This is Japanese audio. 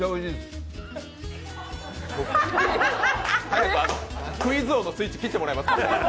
早くクイズ王のスイッチ切ってもらえますか？